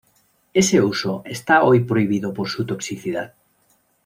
Ese uso está hoy prohibido por su toxicidad.